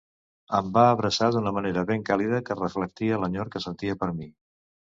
Em va abraçar d'una manera ben càlida que reflectia l'enyor que sentia per mi.